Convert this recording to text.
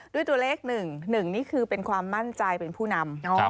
ด้วยตัวเลข๑๑นี่คือเป็นความมั่นใจเป็นผู้นำ